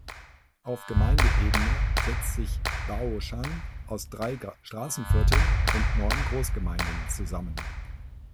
Auf Gemeindeebene setzt sich Baoshan aus drei Straßenvierteln und neun Großgemeinden zusammen.